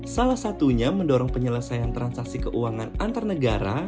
salah satunya mendorong penyelesaian transaksi keuangan antar negara